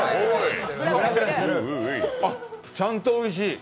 あっ、ちゃんとおいしい。